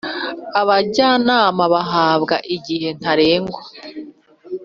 abajyanama bahabwa igihe ntarengwa.